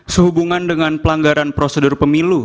sehubungan dengan pelanggaran prosedur pemilu